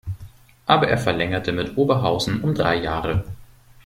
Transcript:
Aber er verlängerte mit Oberhausen um drei Jahre.